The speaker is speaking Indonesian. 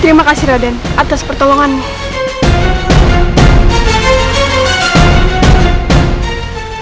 terima kasih raden atas pertolongan